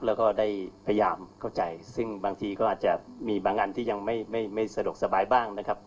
แล้วก็ได้พยายามเข้าใจซึ่งบางทีก็อาจจะมีบางอันที่ยังไม่สะดวกสบายบ้างนะครับ